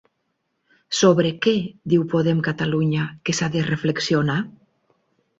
Sobre què diu Podem Catalunya que s'ha de reflexionar?